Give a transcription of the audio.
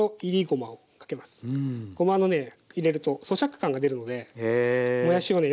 ごまのね入れるとそしゃく感が出るのでもやしをね